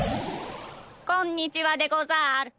こんにちはでござる。